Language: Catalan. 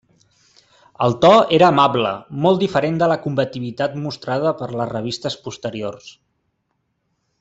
El to era amable, molt diferent de la combativitat mostrada per les revistes posteriors.